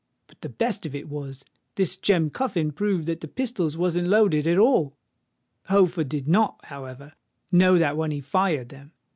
But the best of it was, this Jem Cuffin proved that the pistols wasn't loaded at all. Holford did not, however, know that when he fired them.